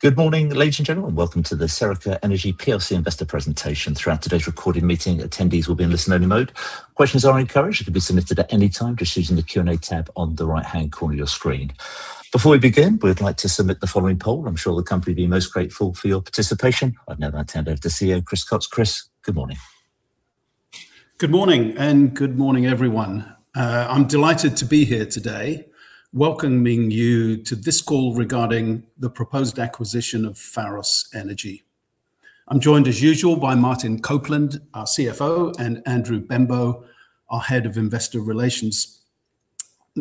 Good morning, ladies and gentlemen. Welcome to the Serica Energy PLC Investor Presentation. Throughout today's recorded meeting, attendees will be in listen-only mode. Questions are encouraged and can be submitted at any time just using the Q&A tab on the right-hand corner of your screen. Before we begin, we'd like to submit the following poll. I'm sure the company will be most grateful for your participation. I now hand over to the CEO, Chris Cox. Chris, good morning. Good morning, and good morning, everyone. I'm delighted to be here today welcoming you to this call regarding the proposed acquisition of Pharos Energy. I'm joined, as usual, by Martin Copeland, our CFO, and Andrew Benbow, our Head of Investor Relations.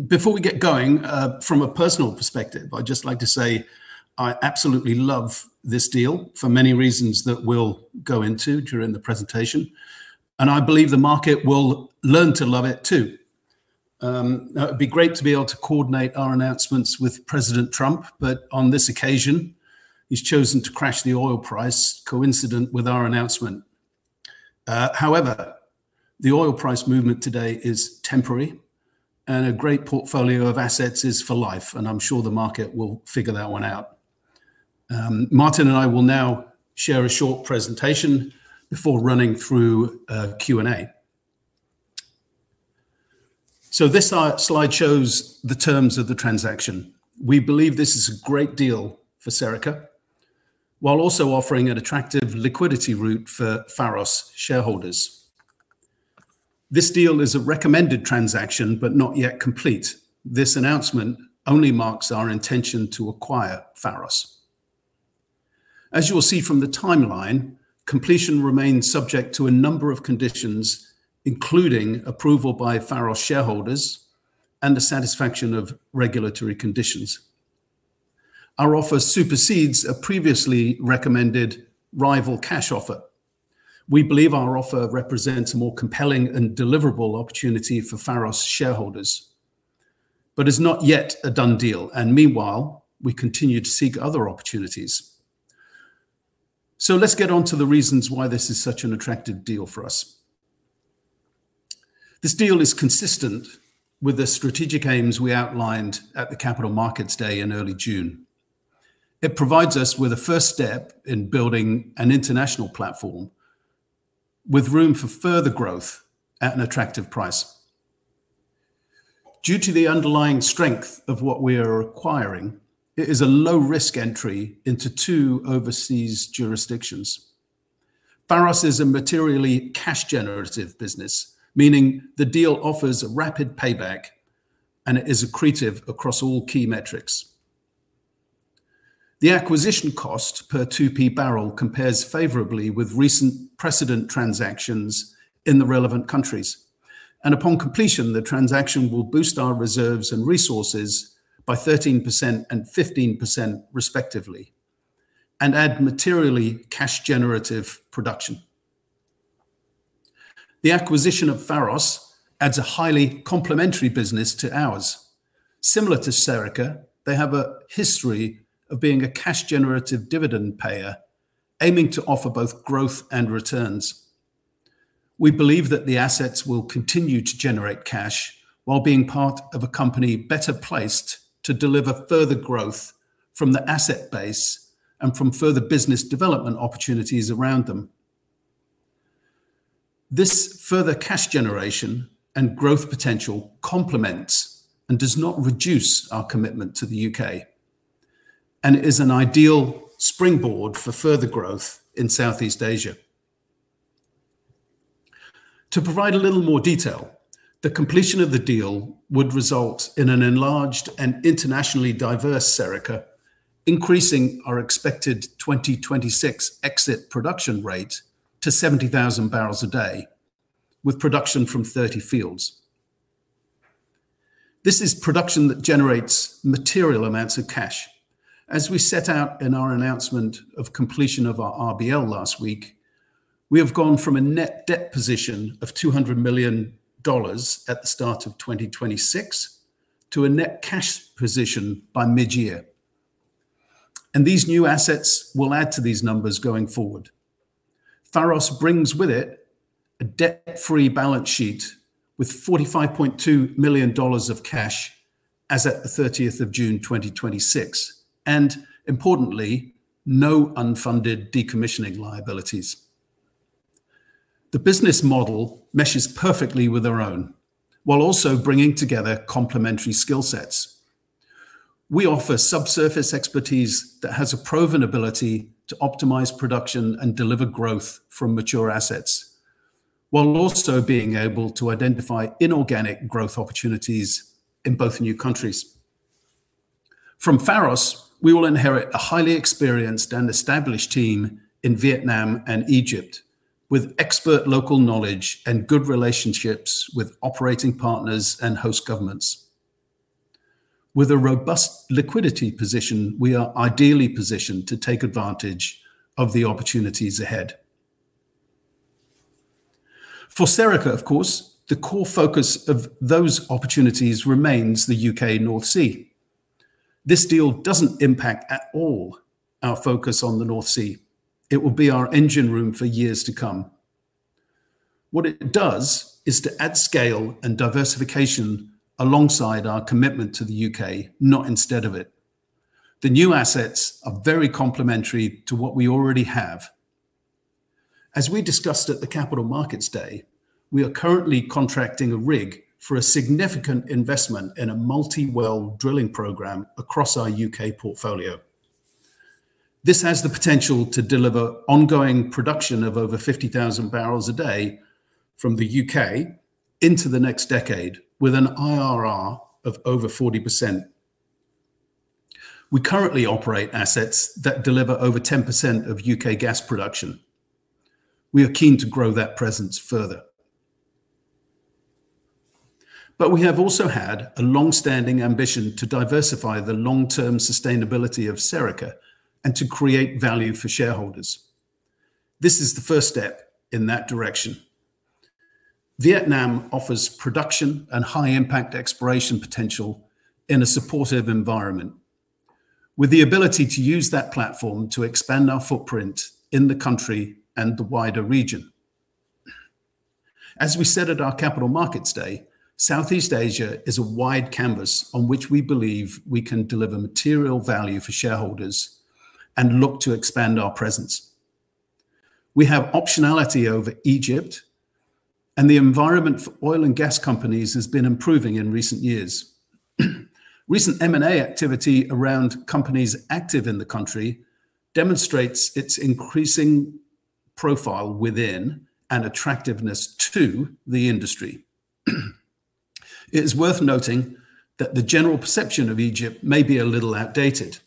Before we get going, from a personal perspective, I'd just like to say I absolutely love this deal for many reasons that we'll go into during the presentation, and I believe the market will learn to love it too. It'd be great to be able to coordinate our announcements with President Trump, but on this occasion, he's chosen to crash the oil price coincident with our announcement. The oil price movement today is temporary, and a great portfolio of assets is for life, and I'm sure the market will figure that one out. Martin and I will now share a short presentation before running through a Q&A. This slide shows the terms of the transaction. We believe this is a great deal for Serica, while also offering an attractive liquidity route for Pharos shareholders. This deal is a recommended transaction, but not yet complete. This announcement only marks our intention to acquire Pharos. As you will see from the timeline, completion remains subject to a number of conditions, including approval by Pharos shareholders and the satisfaction of regulatory conditions. Our offer supersedes a previously recommended rival cash offer. We believe our offer represents a more compelling and deliverable opportunity for Pharos shareholders, but it's not yet a done deal, and meanwhile, we continue to seek other opportunities. Let's get onto the reasons why this is such an attractive deal for us. This deal is consistent with the strategic aims we outlined at the Capital Markets Day in early June. It provides us with a first step in building an international platform with room for further growth at an attractive price. Due to the underlying strength of what we are acquiring, it is a low-risk entry into two overseas jurisdictions. Pharos is a materially cash-generative business, meaning the deal offers a rapid payback and it is accretive across all key metrics. The acquisition cost per 2P barrel compares favorably with recent precedent transactions in the relevant countries. Upon completion, the transaction will boost our reserves and resources by 13% and 15% respectively and add materially cash-generative production. The acquisition of Pharos adds a highly complementary business to ours. Similar to Serica, they have a history of being a cash-generative dividend payer aiming to offer both growth and returns. We believe that the assets will continue to generate cash while being part of a company better placed to deliver further growth from the asset base and from further business development opportunities around them. This further cash generation and growth potential complements and does not reduce our commitment to the U.K. and is an ideal springboard for further growth in Southeast Asia. To provide a little more detail, the completion of the deal would result in an enlarged and internationally diverse Serica, increasing our expected 2026 exit production rate to 70,000 bbl/d with production from 30 fields. This is production that generates material amounts of cash. As we set out in our announcement of completion of our RBL last week, we have gone from a net debt position of $200 million at the start of 2026 to a net cash position by mid-year. These new assets will add to these numbers going forward. Pharos brings with it a debt-free balance sheet with $45.2 million of cash as at the 30th of June 2026, and importantly, no unfunded decommissioning liabilities. The business model meshes perfectly with our own, while also bringing together complementary skill sets. We offer subsurface expertise that has a proven ability to optimize production and deliver growth from mature assets, while also being able to identify inorganic growth opportunities in both new countries. From Pharos, we will inherit a highly experienced and established team in Vietnam and Egypt with expert local knowledge and good relationships with operating partners and host governments. With a robust liquidity position, we are ideally positioned to take advantage of the opportunities ahead. For Serica, of course, the core focus of those opportunities remains the U.K. North Sea. This deal doesn't impact at all our focus on the North Sea. It will be our engine room for years to come. What it does is to add scale and diversification alongside our commitment to the U.K., not instead of it. The new assets are very complementary to what we already have. As we discussed at the Capital Markets Day, we are currently contracting a rig for a significant investment in a multi-well drilling program across our U.K. portfolio. This has the potential to deliver ongoing production of over 50,000 bbl/d from the U.K. into the next decade, with an IRR of over 40%. We currently operate assets that deliver over 10% of U.K. gas production. We are keen to grow that presence further. We have also had a long-standing ambition to diversify the long-term sustainability of Serica and to create value for shareholders. This is the first step in that direction. Vietnam offers production and high-impact exploration potential in a supportive environment, with the ability to use that platform to expand our footprint in the country and the wider region. As we said at our Capital Markets Day, Southeast Asia is a wide canvas on which we believe we can deliver material value for shareholders and look to expand our presence. We have optionality over Egypt, and the environment for oil and gas companies has been improving in recent years. Recent M&A activity around companies active in the country demonstrates its increasing profile within and attractiveness to the industry. It is worth noting that the general perception of Egypt may be a little outdated.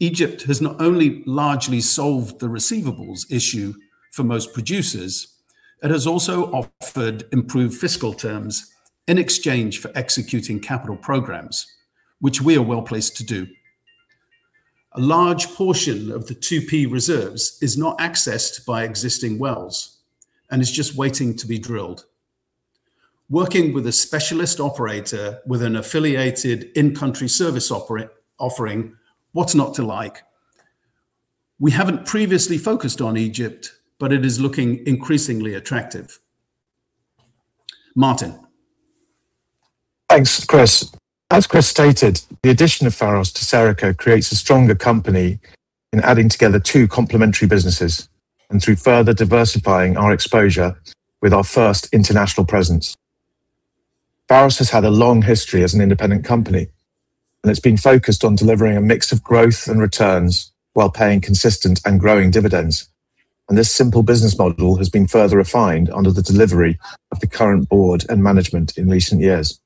Egypt has not only largely solved the receivables issue for most producers, it has also offered improved fiscal terms in exchange for executing capital programs, which we are well-placed to do. A large portion of the 2P reserves is not accessed by existing wells and is just waiting to be drilled. Working with a specialist operator with an affiliated in-country service offering, what's not to like? We haven't previously focused on Egypt, but it is looking increasingly attractive. Martin? Thanks, Chris. As Chris stated, the addition of Pharos to Serica creates a stronger company in adding together two complementary businesses and through further diversifying our exposure with our first international presence. Pharos has had a long history as an independent company, and it's been focused on delivering a mix of growth and returns while paying consistent and growing dividends. This simple business model has been further refined under the delivery of the current board and management in recent years.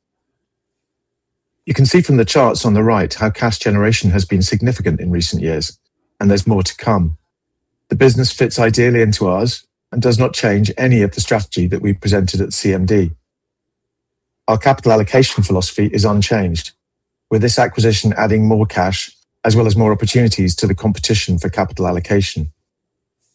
You can see from the charts on the right how cash generation has been significant in recent years, and there's more to come. The business fits ideally into ours and does not change any of the strategy that we presented at CMD. Our capital allocation philosophy is unchanged, with this acquisition adding more cash as well as more opportunities to the competition for capital allocation.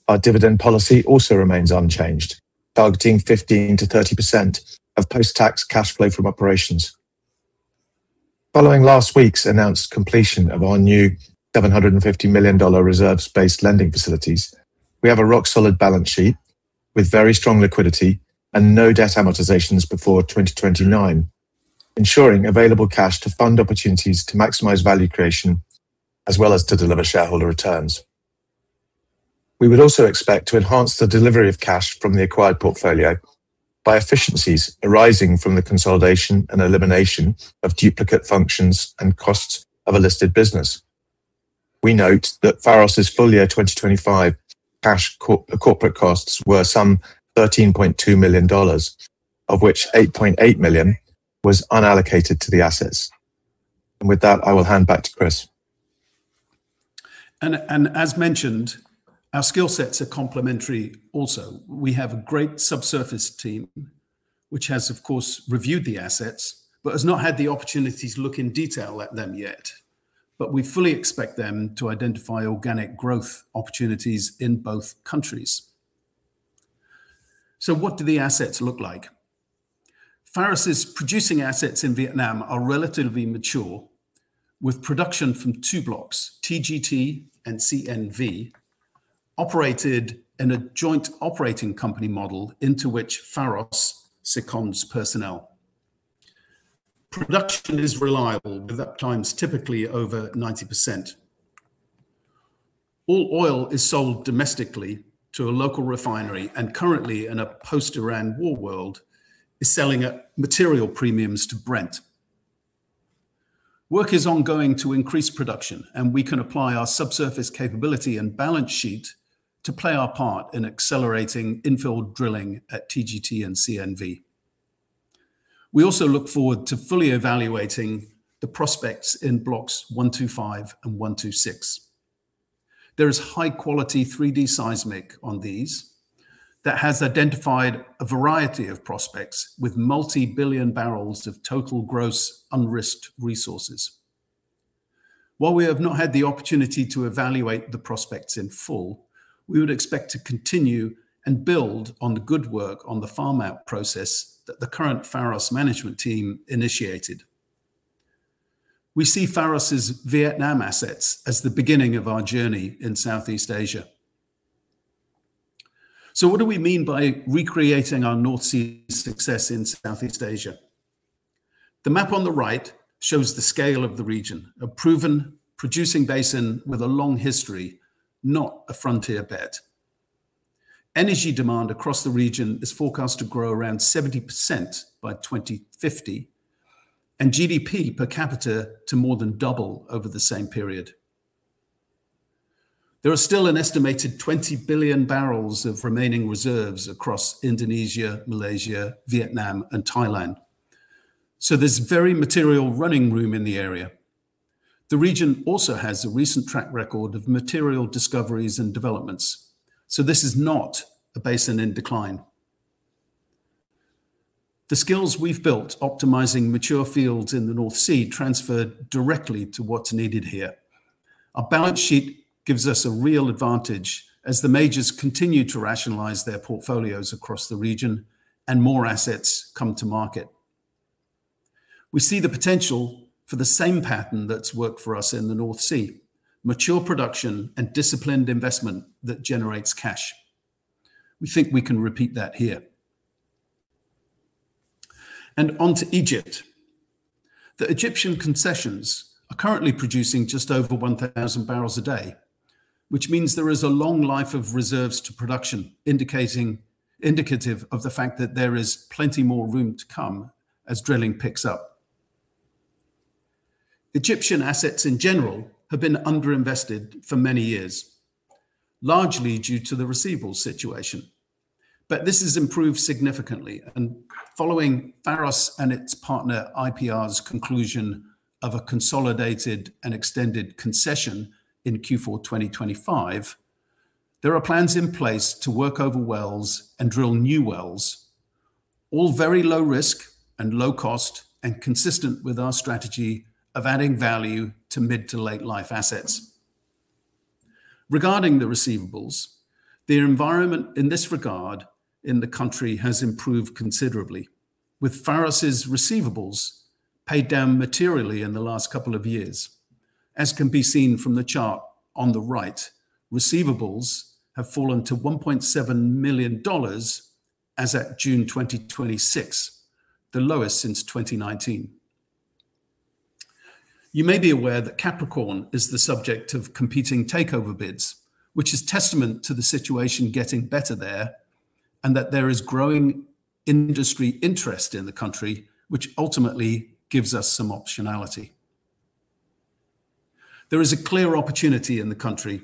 Our dividend policy also remains unchanged, targeting 15%-30% of post-tax cash flow from operations. Following last week's announced completion of our new $750 million reserves-based lending facilities, we have a rock-solid balance sheet with very strong liquidity and no debt amortizations before 2029, ensuring available cash to fund opportunities to maximize value creation, as well as to deliver shareholder returns. We would also expect to enhance the delivery of cash from the acquired portfolio by efficiencies arising from the consolidation and elimination of duplicate functions and costs of a listed business. We note that Pharos' full-year 2025 cash corporate costs were some $13.2 million, of which $8.8 million was unallocated to the assets. With that, I will hand back to Chris. As mentioned, our skill sets are complementary also. We have a great subsurface team, which has, of course, reviewed the assets but has not had the opportunities to look in detail at them yet. We fully expect them to identify organic growth opportunities in both countries. What do the assets look like? Pharos' producing assets in Vietnam are relatively mature, with production from two blocks, TGT and CNV, operated in a joint operating company model into which Pharos seconds personnel. Production is reliable, with uptimes typically over 90%. All oil is sold domestically to a local refinery, and currently, in a post-Iran war world, is selling at material premiums to Brent. Work is ongoing to increase production, and we can apply our subsurface capability and balance sheet to play our part in accelerating infill drilling at TGT and CNV. We also look forward to fully evaluating the prospects in blocks 125 and 126. There is high-quality 3D seismic on these that has identified a variety of prospects with multi-billion barrels of total gross unrisked resources. While we have not had the opportunity to evaluate the prospects in full, we would expect to continue and build on the good work on the farm-out process that the current Pharos management team initiated. We see Pharos' Vietnam assets as the beginning of our journey in Southeast Asia. What do we mean by recreating our North Sea success in Southeast Asia? The map on the right shows the scale of the region, a proven producing basin with a long history, not a frontier bet. Energy demand across the region is forecast to grow around 70% by 2050, and GDP per capita to more than double over the same period. There are still an estimated 20 Gbbl of remaining reserves across Indonesia, Malaysia, Vietnam, and Thailand. There's very material running room in the area. The region also has a recent track record of material discoveries and developments, this is not a basin in decline. The skills we've built optimizing mature fields in the North Sea transfer directly to what's needed here. Our balance sheet gives us a real advantage as the majors continue to rationalize their portfolios across the region and more assets come to market. We see the potential for the same pattern that's worked for us in the North Sea, mature production and disciplined investment that generates cash. We think we can repeat that here. On to Egypt. The Egyptian concessions are currently producing just over 1,000 bbl/d, which means there is a long life of reserves to production, indicative of the fact that there is plenty more room to come as drilling picks up. Egyptian assets in general have been under-invested for many years, largely due to the receivables situation, but this has improved significantly. Following Pharos and its partner IPR's conclusion of a consolidated and extended concession in Q4 2025, there are plans in place to work over wells and drill new wells. All very low risk and low cost and consistent with our strategy of adding value to mid-to-late life assets. Regarding the receivables, their environment in this regard in the country has improved considerably with Pharos' receivables paid down materially in the last couple of years. As can be seen from the chart on the right, receivables have fallen to $1.7 million as at June 2026, the lowest since 2019. You may be aware that Capricorn is the subject of competing takeover bids, which is testament to the situation getting better there, and that there is growing industry interest in the country, which ultimately gives us some optionality. There is a clear opportunity in the country.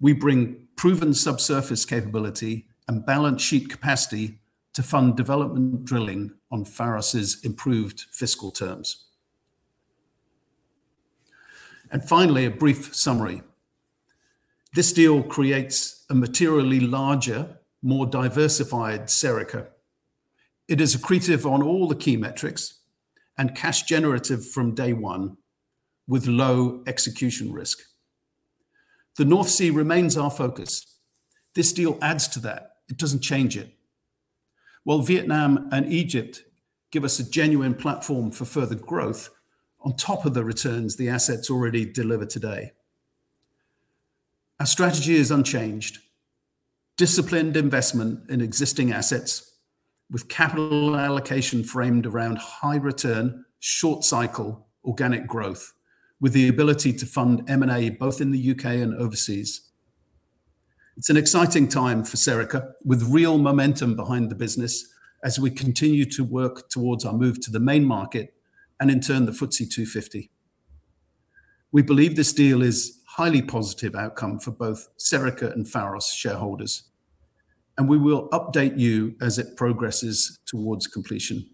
We bring proven subsurface capability and balance sheet capacity to fund development drilling on Pharos' improved fiscal terms. Finally, a brief summary. This deal creates a materially larger, more diversified Serica. It is accretive on all the key metrics and cash generative from day one with low execution risk. The North Sea remains our focus. This deal adds to that. It doesn't change it. While Vietnam and Egypt give us a genuine platform for further growth, on top of the returns the assets already deliver today. Our strategy is unchanged. Disciplined investment in existing assets with capital allocation framed around high return, short cycle, organic growth, with the ability to fund M&A both in the U.K. and overseas. It's an exciting time for Serica, with real momentum behind the business as we continue to work towards our move to the Main Market and in turn the FTSE 250. We believe this deal is highly positive outcome for both Serica and Pharos shareholders, and we will update you as it progresses towards completion.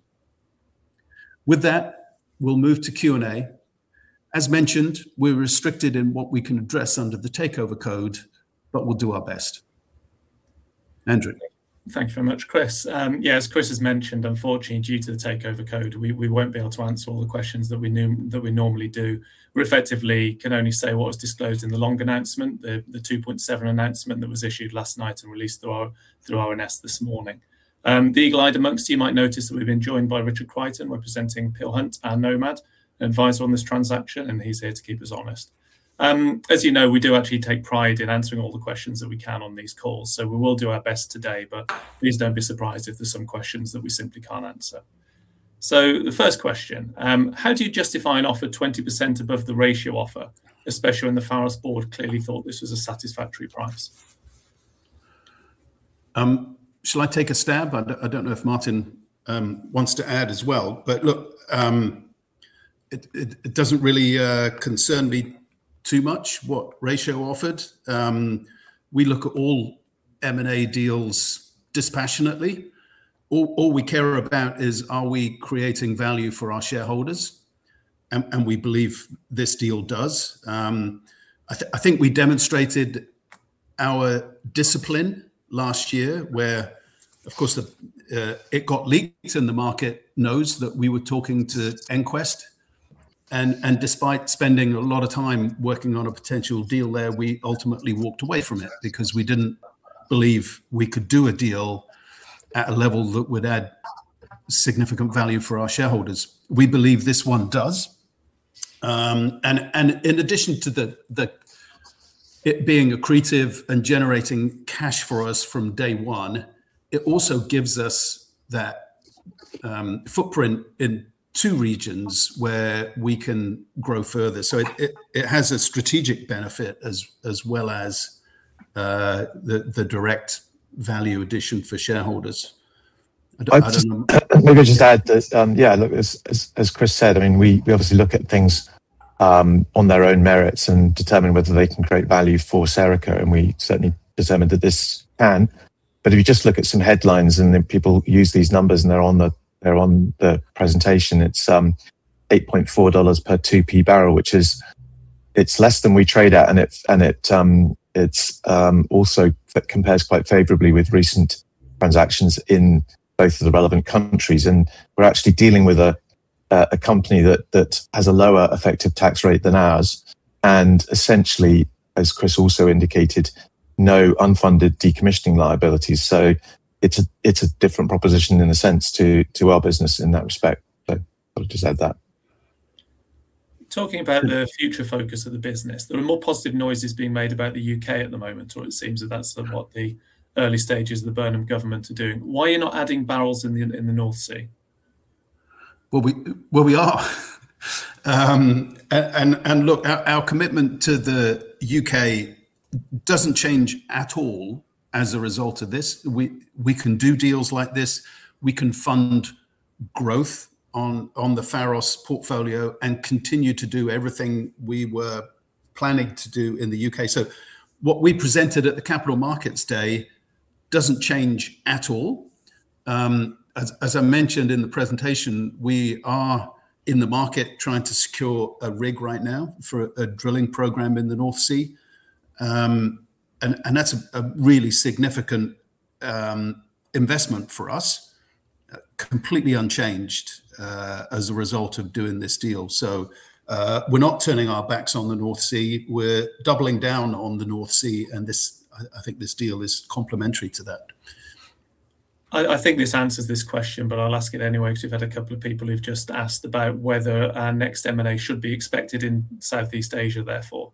With that, we'll move to Q&A. As mentioned, we're restricted in what we can address under the Takeover Code, but we'll do our best. Andrew. Thanks very much, Chris. Yeah, as Chris has mentioned, unfortunately, due to the Takeover Code, we won't be able to answer all the questions that we normally do. We effectively can only say what was disclosed in the long announcement, the Rule 2.7 announcement that was issued last night and released through our RNS this morning. The eagle-eyed amongst you might notice that we've been joined by Richard Crichton, representing Peel Hunt and Nomad, advisor on this transaction, and he's here to keep us honest. As you know, we do actually take pride in answering all the questions that we can on these calls, so we will do our best today, but please don't be surprised if there's some questions that we simply can't answer. The first question, how do you justify an offer 20% above the Ratio offer, especially when the Pharos board clearly thought this was a satisfactory price? Shall I take a stab? I don't know if Martin wants to add as well. Look, it doesn't really concern me too much what Ratio offered. We look at all M&A deals dispassionately. All we care about is, are we creating value for our shareholders? We believe this deal does. I think we demonstrated our discipline last year where, of course, it got leaked and the market knows that we were talking to EnQuest. Despite spending a lot of time working on a potential deal there, we ultimately walked away from it because we didn't believe we could do a deal at a level that would add significant value for our shareholders. We believe this one does. In addition to it being accretive and generating cash for us from day one, it also gives us that footprint in two regions where we can grow further. It has a strategic benefit as well as the direct value addition for shareholders. Maybe I'll just add that, look, as Chris said, we obviously look at things on their own merits and determine whether they can create value for Serica, and we certainly determined that this can. If you just look at some headlines, and then people use these numbers, and they're on the presentation, it's $8.40 per 2P barrel, which is less than we trade at, and it also compares quite favorably with recent transactions in both of the relevant countries. We're actually dealing with a company that has a lower effective tax rate than ours, and essentially, as Chris also indicated, no unfunded decommissioning liabilities. It's a different proposition in a sense to our business in that respect. I would just add that. Talking about the future focus of the business, there are more positive noises being made about the U.K. at the moment, or it seems that that's sort of what the early stages of the Burnham government are doing. Why are you not adding barrels in the North Sea? Well, we are. Look, our commitment to the U.K. doesn't change at all as a result of this. We can do deals like this. We can fund growth on the Pharos portfolio and continue to do everything we were planning to do in the U.K. What we presented at the Capital Markets Day doesn't change at all. As I mentioned in the presentation, we are in the market trying to secure a rig right now for a drilling program in the North Sea, and that's a really significant investment for us, completely unchanged as a result of doing this deal. We're not turning our backs on the North Sea. We're doubling down on the North Sea, I think this deal is complementary to that. I think this answers this question. I'll ask it anyway because we've had a couple of people who've just asked about whether our next M&A should be expected in Southeast Asia, therefore.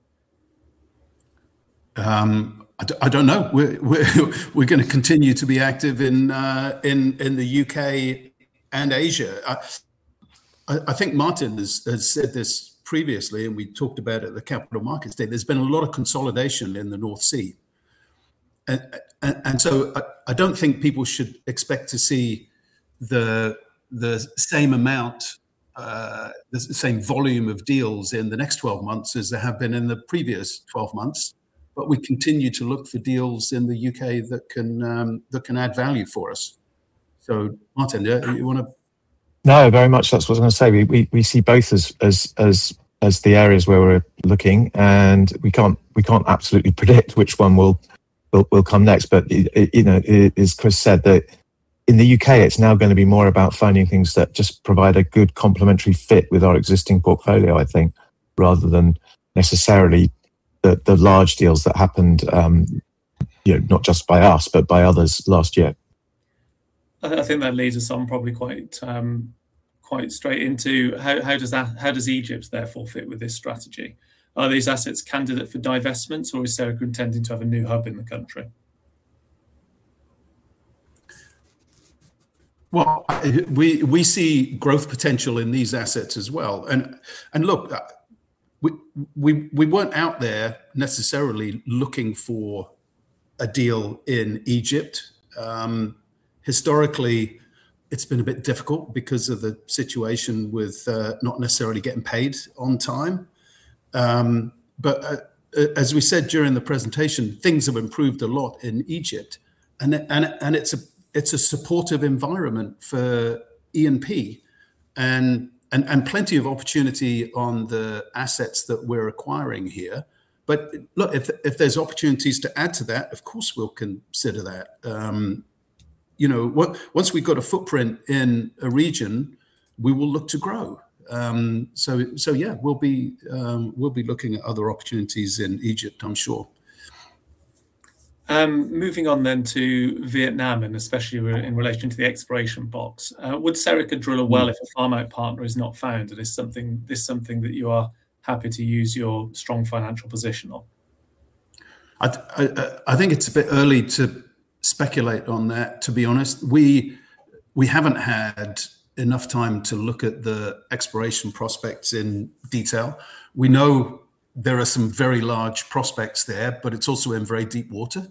I don't know. We're going to continue to be active in the U.K. and Asia. I think Martin has said this previously, and we talked about it at the Capital Markets Day. There's been a lot of consolidation in the North Sea. I don't think people should expect to see the same amount, the same volume of deals in the next 12 months as there have been in the previous 12 months. We continue to look for deals in the U.K. that can add value for us. Martin, you want to? No, very much that's what I was going to say. We see both as the areas where we're looking. We can't absolutely predict which one will come next. As Chris said, in the U.K. it's now going to be more about finding things that just provide a good complementary fit with our existing portfolio, I think, rather than necessarily the large deals that happened, not just by us, but by others last year. I think that leads us on probably quite straight into how does Egypt therefore fit with this strategy? Are these assets candidate for divestments, or is Serica intending to have a new hub in the country? Well, we see growth potential in these assets as well. Look, we weren't out there necessarily looking for a deal in Egypt. Historically, it's been a bit difficult because of the situation with not necessarily getting paid on time. As we said during the presentation, things have improved a lot in Egypt, and it's a supportive environment for E&P and plenty of opportunity on the assets that we're acquiring here. Look, if there's opportunities to add to that, of course, we'll consider that. Once we've got a footprint in a region, we will look to grow. Yeah, we'll be looking at other opportunities in Egypt, I'm sure. Moving on to Vietnam, especially in relation to the exploration box. Would Serica drill a well if a farm-out partner is not found? Is this something that you are happy to use your strong financial position on? I think it's a bit early to speculate on that, to be honest. We haven't had enough time to look at the exploration prospects in detail. We know there are some very large prospects there, it's also in very deep water.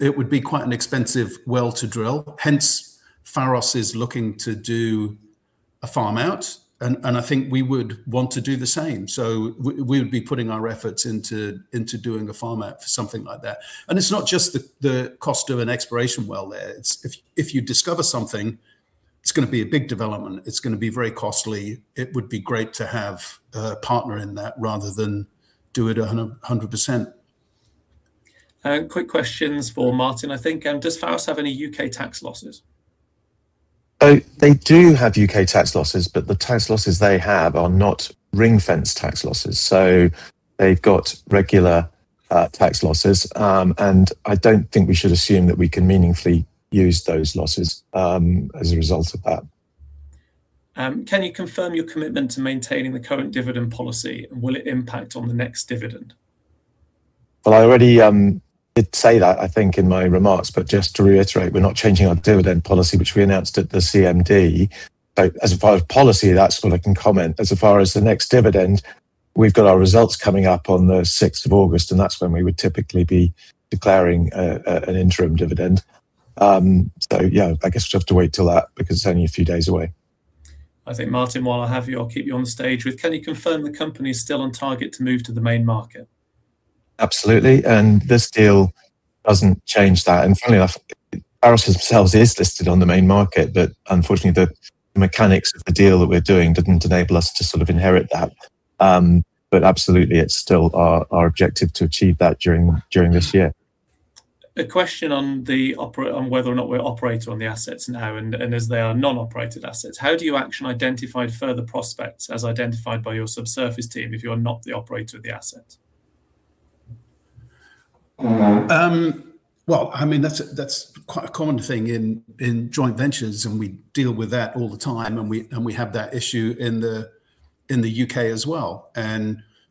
It would be quite an expensive well to drill, hence Pharos is looking to do a farm-out, I think we would want to do the same. We would be putting our efforts into doing a farm-out for something like that. It's not just the cost of an exploration well there. If you discover something, it's going to be a big development. It's going to be very costly. It would be great to have a partner in that rather than do it 100%. Quick questions for Martin, I think. Does Pharos have any U.K. tax losses? They do have U.K. tax losses, but the tax losses they have are not ring-fence tax losses. They've got regular tax losses. I don't think we should assume that we can meaningfully use those losses as a result of that. Can you confirm your commitment to maintaining the current dividend policy, and will it impact on the next dividend? Well, I already did say that, I think, in my remarks, but just to reiterate, we're not changing our dividend policy, which we announced at the CMD. As a part of policy, that's all I can comment. As far as the next dividend, we've got our results coming up on the 6th of August, and that's when we would typically be declaring an interim dividend. Yeah, I guess you'll have to wait till that because it's only a few days away. I think, Martin, while I have you, can you confirm the company's still on target to move to the Main Market? Absolutely. This deal doesn't change that. Funnily enough, Pharos themselves is listed on the Main Market, unfortunately, the mechanics of the deal that we're doing didn't enable us to sort of inherit that. Absolutely, it's still our objective to achieve that during this year. A question on whether or not we're operator on the assets now and as they are non-operated assets. How do you action identify further prospects as identified by your subsurface team if you are not the operator of the asset? Well, I mean, that's quite a common thing in joint ventures, we deal with that all the time, we have that issue in the U.K. as well.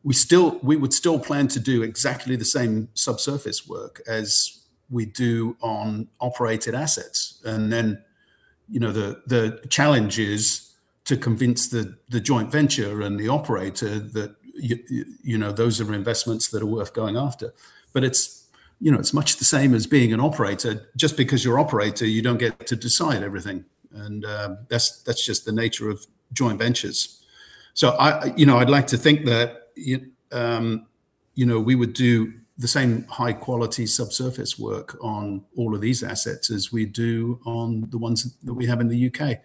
We would still plan to do exactly the same subsurface work as we do on operated assets. Then, the challenge is to convince the joint venture and the operator that those are investments that are worth going after. It's much the same as being an operator. Just because you're operator, you don't get to decide everything, and that's just the nature of joint ventures. I'd like to think that we would do the same high-quality subsurface work on all of these assets as we do on the ones that we have in the U.K.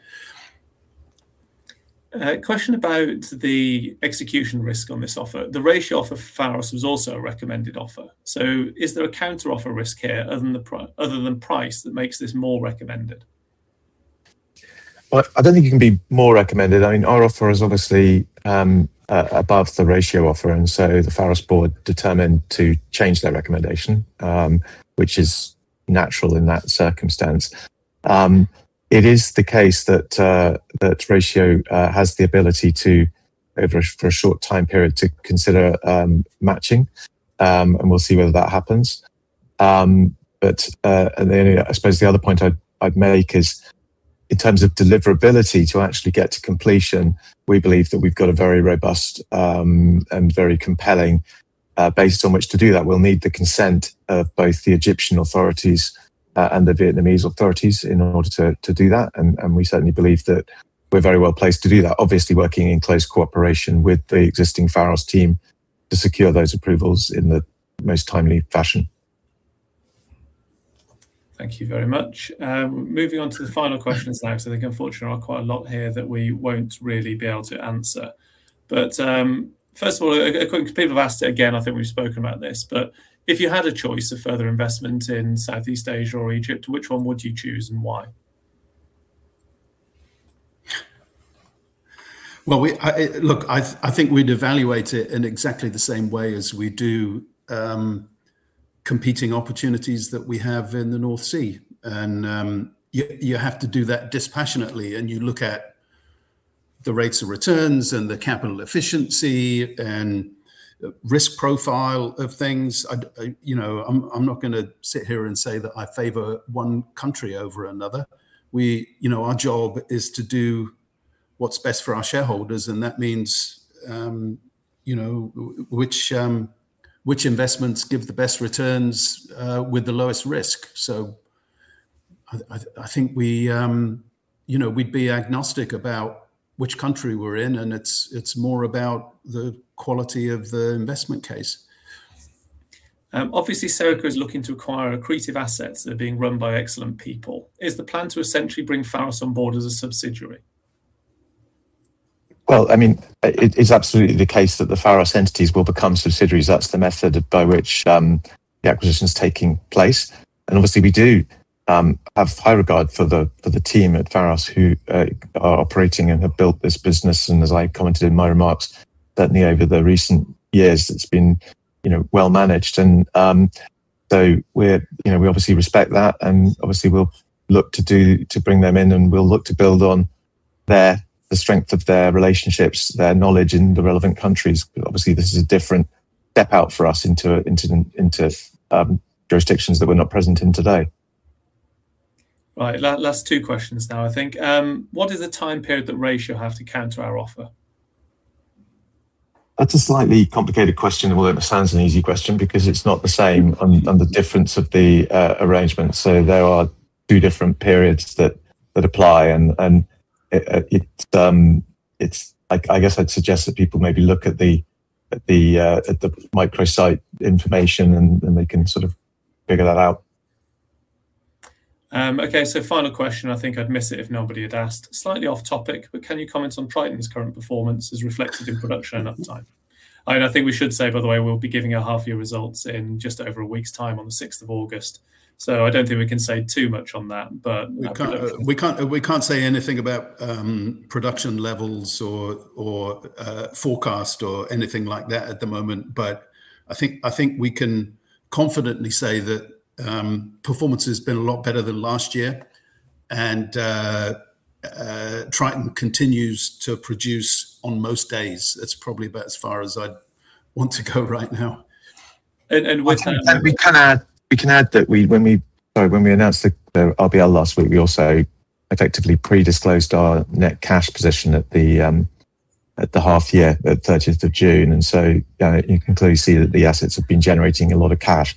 A question about the execution risk on this offer. The Ratio offer for Pharos was also a recommended offer. Is there a counteroffer risk here other than price that makes this more recommended? Well, I don't think it can be more recommended. I mean, our offer is obviously above the Ratio offer. The Pharos board determined to change their recommendation, which is natural in that circumstance. It is the case that Ratio has the ability, over a short time period, to consider matching. We'll see whether that happens. I suppose the other point I'd make is in terms of deliverability to actually get to completion, we believe that we've got a very robust and very compelling base on which to do that. We'll need the consent of both the Egyptian authorities and the Vietnamese authorities in order to do that. We certainly believe that we're very well-placed to do that. Obviously, working in close cooperation with the existing Pharos team to secure those approvals in the most timely fashion. Thank you very much. Moving on to the final questions now because I think unfortunately there are quite a lot here that we won't really be able to answer. First of all, a quick, people have asked it again, I think we've spoken about this. If you had a choice of further investment in Southeast Asia or Egypt, which one would you choose and why? Well, look, I think we'd evaluate it in exactly the same way as we do competing opportunities that we have in the North Sea. You have to do that dispassionately. You look at the rates of returns, the capital efficiency, and risk profile of things. I'm not going to sit here and say that I favor one country over another. Our job is to do what's best for our shareholders. That means which investments give the best returns with the lowest risk. I think we'd be agnostic about which country we're in. It's more about the quality of the investment case. Obviously, Serica is looking to acquire accretive assets that are being run by excellent people. Is the plan to essentially bring Pharos on board as a subsidiary? Well, I mean, it is absolutely the case that the Pharos entities will become subsidiaries. That's the method by which the acquisition's taking place. Obviously, we do have high regard for the team at Pharos who are operating and have built this business. As I commented in my remarks, certainly over the recent years, it's been well managed. We obviously respect that, and obviously we'll look to bring them in, and we'll look to build on the strength of their relationships, their knowledge in the relevant countries. Obviously, this is a different step out for us into jurisdictions that we're not present in today. Right. Last two questions now, I think. What is the time period that Ratio have to counter our offer? That's a slightly complicated question, although it sounds an easy question, because it's not the same on the difference of the arrangement. There are two different periods that apply, and I guess I'd suggest that people maybe look at the microsite information, and they can sort of figure that out. Okay, final question. I think I'd miss it if nobody had asked. Slightly off topic, but can you comment on Triton's current performance as reflected in production and uptime? I think we should say, by the way, we'll be giving our half-year results in just over a week's time on the 6th of August, I don't think we can say too much on that, but. We can't say anything about production levels or forecast or anything like that at the moment. I think we can confidently say that performance has been a lot better than last year, and Triton continues to produce on most days. That's probably about as far as I'd want to go right now. We can add that when we announced the RBL last week, we also effectively pre-disclosed our net cash position at the half year, the 30th of June. You can clearly see that the assets have been generating a lot of cash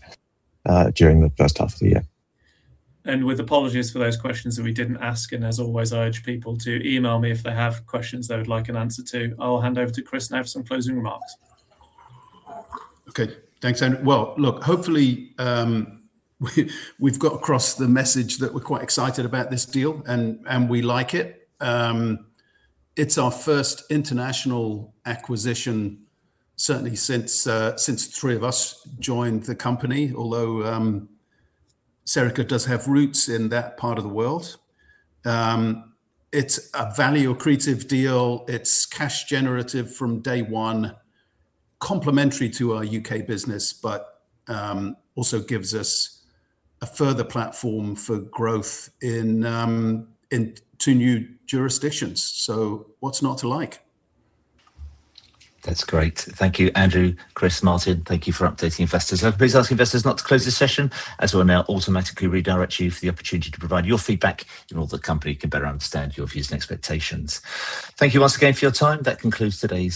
during the first half of the year. With apologies for those questions that we didn't ask, as always, I urge people to email me if they have questions they would like an answer to. I'll hand over to Chris now for some closing remarks. Okay. Thanks, Andrew. Hopefully we've got across the message that we're quite excited about this deal, and we like it. It's our first international acquisition, certainly since the three of us joined the company, although Serica does have roots in that part of the world. It's a value-accretive deal. It's cash generative from day one, complementary to our U.K. business, but also gives us a further platform for growth into new jurisdictions. What's not to like? That's great. Thank you, Andrew, Chris, Martin. Thank you for updating investors. I would please ask investors not to close this session as we'll now automatically redirect you for the opportunity to provide your feedback in order the company can better understand your views and expectations. Thank you once again for your time. That concludes today's